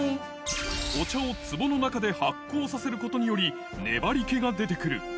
お茶をつぼの中で発酵させることにより、粘りけが出てくる。